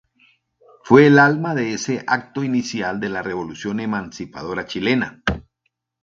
Fue el alma de ese acto inicial de la revolución emancipadora chilena.